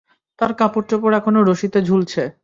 তার কাপড়-চোপড় এখনো রশিতে ঝুলছে।